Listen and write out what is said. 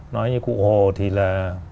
nói như cụ hồ thì là